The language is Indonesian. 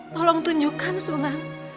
tolong tunjukkan sunan